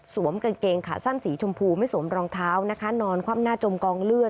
กางเกงขาสั้นสีชมพูไม่สวมรองเท้านะคะนอนคว่ำหน้าจมกองเลือด